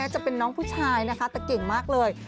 จะเป็นน้องผู้ชายนะคะแต่เก่งมากเลย